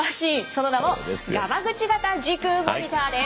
その名もガマグチ型時空モニターです。